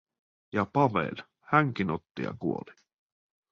Ja Pavel, hänkin otti ja kuoli.